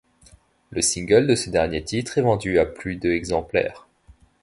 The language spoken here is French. Le single de ce dernier titre est vendu à plus de exemplaires.